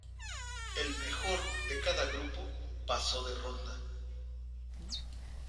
El mejor de cada grupo pasó de ronda.